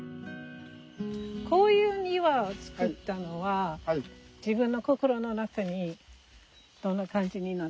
こういう庭を造ったのは自分の心の中にどんな感じになった？